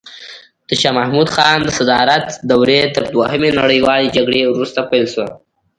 د شاه محمود خان د صدارت دوره تر دوهمې نړیوالې جګړې وروسته پیل شوه.